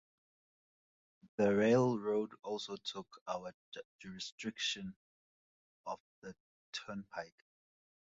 The railroad also took over jurisdiction of the turnpike.